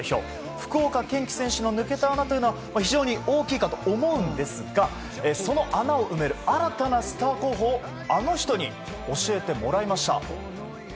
福岡堅樹選手の抜けた穴は非常に大きいかと思うんですがその穴を埋める新たなスター候補をあの人に教えてもらいました。